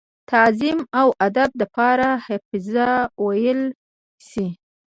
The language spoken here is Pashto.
تعظيم او ادب دپاره حافظ وئيلی شي ۔